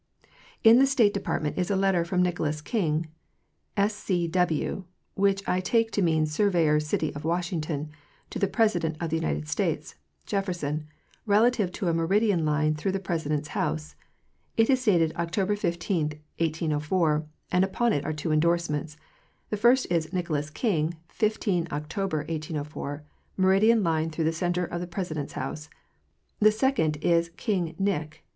In the State Department is a letter from Nicholas King, S.C. W. (which I take to mean surveyor city of Washington), to the President of the United States (Jefferson) relative to a meridian line through the President's house. It is dated October 15, 1804, and uponit are two endorsements. The first is " Nicholas King. 15 Oct'. 1804. Meridian Line through the centre of the Presi dent's house." The second is " King Nich*.